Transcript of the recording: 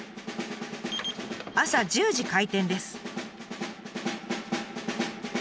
朝１０時開店です。